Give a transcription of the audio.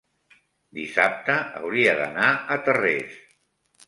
dissabte hauria d'anar a Tarrés.